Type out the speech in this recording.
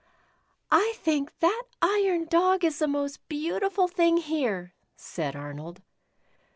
"/ think that iron Dog is the most beautiful thing here," said Arnold.